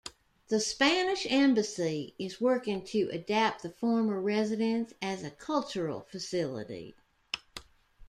The Spanish Embassy is working to adapt the former residence as a cultural facility.